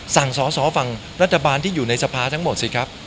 สั่งสอสอฝั่งรัฐบาลที่อยู่ในสภาทั้งหมดสิครับ